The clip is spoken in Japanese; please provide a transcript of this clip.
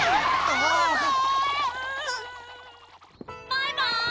バイバーイ！